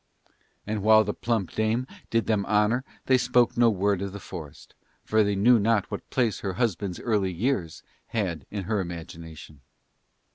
And while the plump dame did them honour they spoke no word of the forest, for they knew not what place her husband's early years had in her imagination.